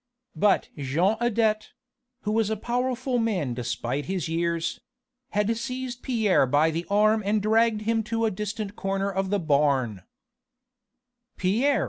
But Jean Adet who was a powerful man despite his years had seized Pierre by the arm and dragged him to a distant corner of the barn: "Pierre!"